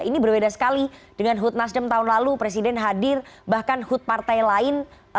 ini berbeda sekali dengan hut nasdem tahun lalu presiden hadir bahkan hud partai lain